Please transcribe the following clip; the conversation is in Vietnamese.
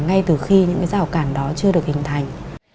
ngay từ khi những giao cản đó chưa được hình thành